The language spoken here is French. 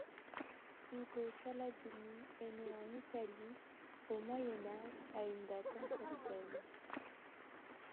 Ugo Saladini est né en Italie, au Moyen Âge, à une date incertaine.